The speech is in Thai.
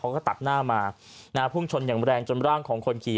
เขาก็ตัดหน้ามานะฮะพุ่งชนอย่างแรงจนร่างของคนขี่